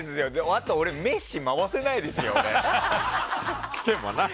あと俺、メッシ回せないですよ。